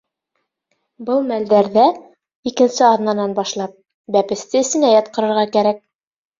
Был мәлдәрҙә, икенсе аҙнанан башлап, бәпесте эсенә ятҡырырға кәрәк.